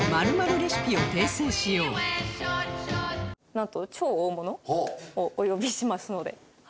なんと超大物をお呼びしてますのではい。